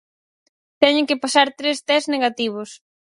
Teñen que pasar tres tests negativos.